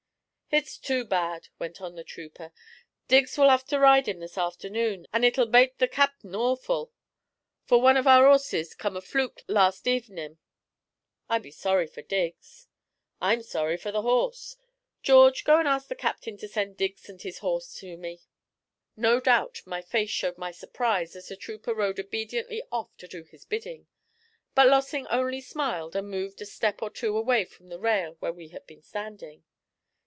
'Hit's too bad,' went on the trooper. 'Diggs will 'ave to ride 'im this hafternoon, and it'll bait the cap'n horful; for one of our 'orses come a fluke last hevenin'. I be sorry for Diggs!' 'I'm sorry for the horse! George, go and ask the captain to send Diggs and his horse to me.' No doubt my face showed my surprise as the trooper rode obediently off to do his bidding; but Lossing only smiled and moved a step or two away from the rail where we had been standing.